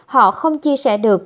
họ không chia sẻ được